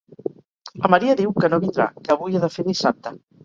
La Maria diu que no vindrà, que avui ha de fer dissabte.